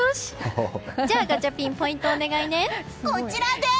じゃあガチャピンポイントをお願いね。